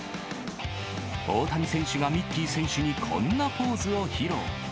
大谷選手がミッキー選手にこんなポーズを披露。